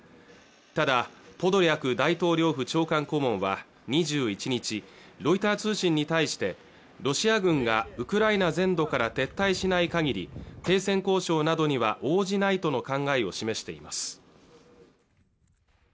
ただポドリャク大統領府長官顧問は２１日ロイター通信に対してロシア軍がウクライナ全土から撤退しないかぎり停戦交渉などには応じないとの考えを示しています